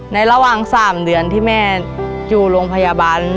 ระหว่าง๓เดือนที่แม่อยู่โรงพยาบาล